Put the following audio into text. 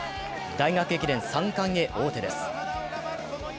大学駅伝３冠へ王手です。